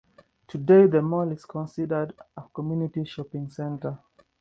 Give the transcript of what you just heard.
Today the mall is considered a 'community' shopping centre.